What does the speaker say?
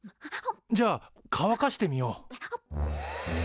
じゃあかわかしてみよう。